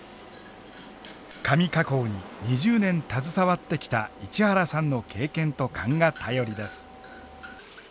紙加工に２０年携わってきた市原さんの経験と勘が頼りです。